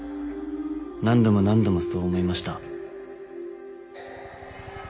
何度も何度もそう思いました。